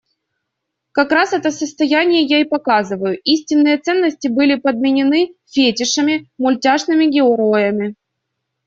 Как раз это состояние я и показываю, истинные ценности были подменены фетишами, мультяшными героями.